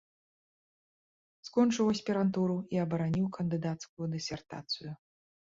Скончыў аспірантуру і абараніў кандыдацкую дысертацыю.